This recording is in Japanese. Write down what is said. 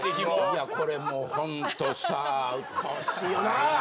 いやこれもうホントさあうっとおしいよなぁ！